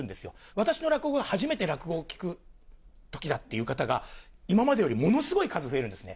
私の落語が、初めて落語を聞くときだっていう方が、今までよりものすごい数増えるんですね。